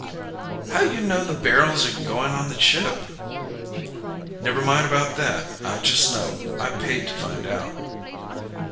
"How you know the barrels are going on the ship?" "Never mind about that. I just know. I paid to find out."